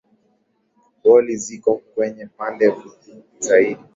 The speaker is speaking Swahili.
Goli ziko kwenye pande fupi zaidi